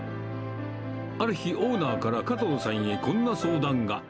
ある日、オーナーから加藤さんへこんな相談が。